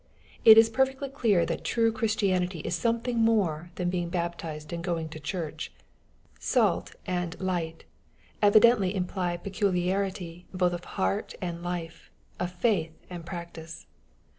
Tt MATTHEW, CHAP. V. 3^ h perfectly clear that true Christianity is something more than being baptized and going to church. " Bait" and " light " evidently imply peculiarity both of heart and life, of faith and practice.